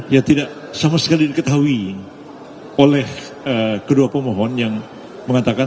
ya tidak sama sekali diketahui oleh kedua pemohon yang mengatakan